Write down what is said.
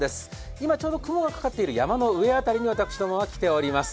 今、ちょうど雲がかかっている山の上辺りに私どもは来ております。